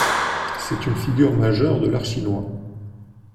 C'est une figure majeure de l'art chinois.